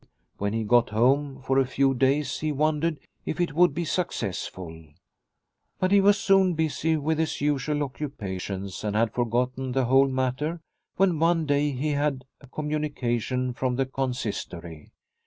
When he got home, for a few days he wondered if it would be successful. But he was soon busy with his usual occupa tions and had forgotten the whole matter, when one day he had a communication from the Consistory.